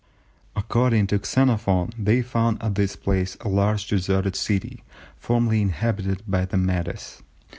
According to Xenophon, they found at this place a large deserted city formerly inhabited by the Medes.